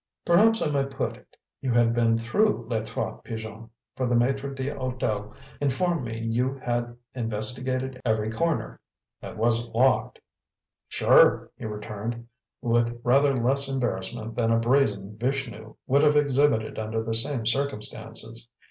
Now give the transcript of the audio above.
Perhaps I might put it, you had been through Les Trois Pigeons, for the maitre d'hotel informed me you had investigated every corner that wasn't locked." "Sure," he returned, with rather less embarrassment than a brazen Vishnu would have exhibited under the same circumstances.